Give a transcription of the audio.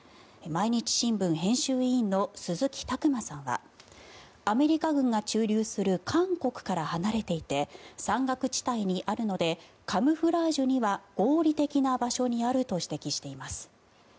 毎日新聞編集委員の鈴木琢磨さんはアメリカ軍が駐留する韓国から離れていて山岳地帯にあるのでカムフラージュには合理的な場所にあると指摘しています。